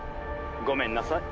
ごめんなさい。